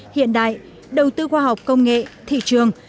hiện đại đầu tư khoa học công nghệ thị trường